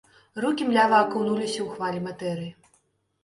Рукі млява акунуліся ў хвалі матэрыі.